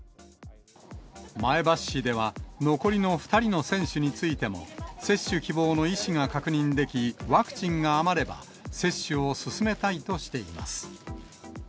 前橋市では、残りの２人の選手についても、接種希望の意思が確認でき、ワクチンが余れば、接種を進めたいとしています。